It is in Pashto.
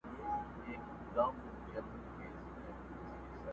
لاس دي بر وي د حاکم پر دښمنانو.!